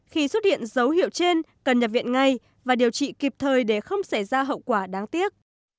khi xuất hiện dấu hiệu trên cần nhập viện ngay và điều trị kịp thời để không xảy ra hậu quả đáng tiếc